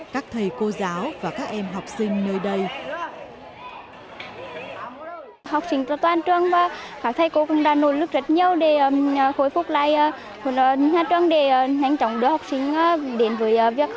các thầy cô và học sinh cũng không biết